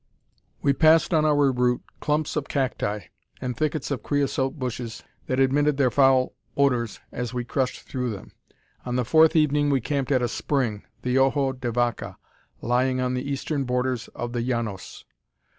We passed on our route clumps of cacti, and thickets of creosote bushes, that emitted their foul odours as we crushed through them. On the fourth evening we camped at a spring, the Ojo de Vaca, lying on the eastern borders of the Llanos.